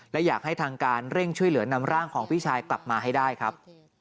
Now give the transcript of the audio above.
และอยากให้ทางการเร่งช่วยเหลือนำร่างของพี่ชายกลับมาให้ได้ครับ